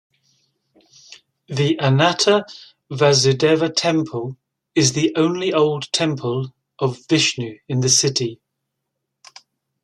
The Ananta Vasudeva Temple is the only old temple of Vishnu in the city.